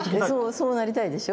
そうなりたいでしょ？